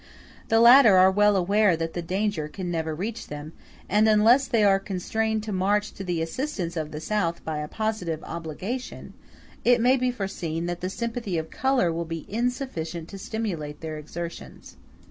The latter are well aware that the danger can never reach them; and unless they are constrained to march to the assistance of the South by a positive obligation, it may be foreseen that the sympathy of color will be insufficient to stimulate their exertions.